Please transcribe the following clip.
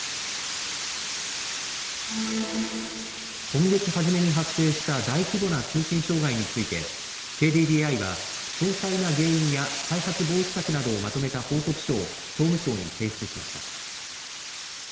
今月初めに発生した大規模な通信障害についてＫＤＤＩは詳細な原因や再発防止策などをまとめた報告書を総務省に提出しました。